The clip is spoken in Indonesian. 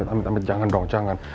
amit amit jangan dong jangan